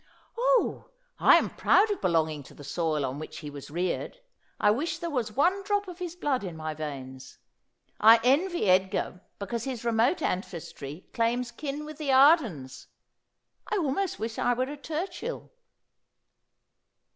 ' Oh, I am proud of belonging to the soil on which he was reared. I wish there was one drop of his blood in my veins. I envy Edgar because his remote ancestry claim kin with the Ardens. I almost wish I were a Turchill.'